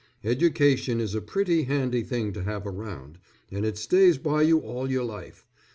Education is a pretty handy thing to have around, and it stays by you all your life.